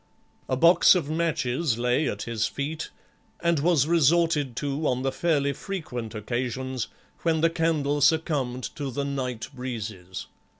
A box of matches lay at his feet and was resorted to on the fairly frequent occasions when the candle succumbed to the night breezes.